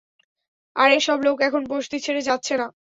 আর এসব লোক এখন বসতি ছেড়ে যাচ্ছে না।